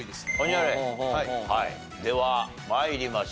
では参りましょう。